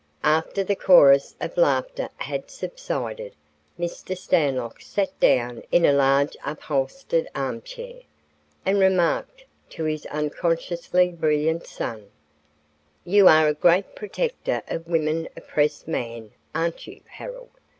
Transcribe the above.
After the chorus of laughter had subsided, Mr. Stanlock sat down in a large upholstered armchair, and remarked to his unconsciously brilliant son: "You are a great protector of women oppressed man, aren't you, Harold.